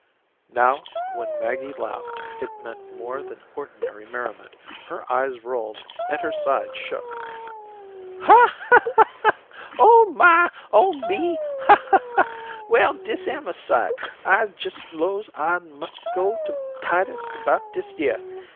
Now when Maggie laughed it meant more than ordinary merriment. Her eyes rolled and her sides shook. "Ha, ha, ha. Oh my, oh me. Ha, ha, ha. Well, dis am a sight. I jes' 'lows I must go to Titus about dis yere.